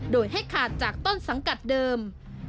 โดยให้ขาดจากต้นสังกัดเดิม